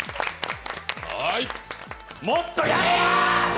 もっとやれや！